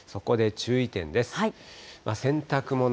そこで注意点です。